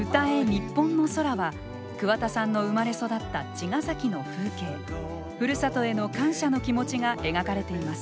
ニッポンの空」は桑田さんの生まれ育った茅ヶ崎の風景ふるさとへの感謝の気持ちが描かれています。